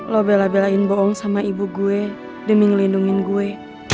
lo bela belain bohong sama ibu gue demi ngelindungin gue